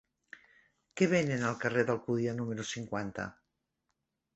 Què venen al carrer d'Alcúdia número cinquanta?